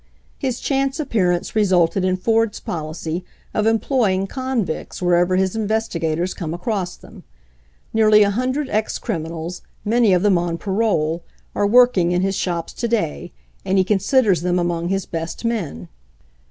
' His chance appearance resulted in Ford's policy of employing convicts wherever his investigators come across them. Nearly a hundred ex crim inals, many of them on parole, are working in his shops to day, and he considers them among his best men.